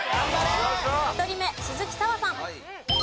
１人目鈴木砂羽さん。